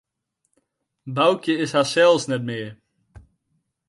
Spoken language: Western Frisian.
Boukje is harsels net mear.